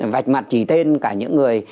vạch mặt chỉ tên cả những người